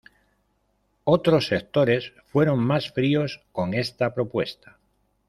Otros sectores fueron más fríos con esta propuesta.